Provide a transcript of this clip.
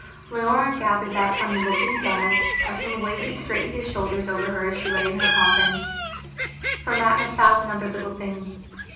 Leonora gathered that from the look in his eyes, and from the way he straightened his shoulders over her as she lay in her coffinfrom that and a thousand other little things.